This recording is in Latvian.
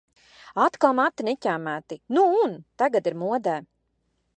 Atkal mati neķemmēti. Nu un! Tagad ir modē.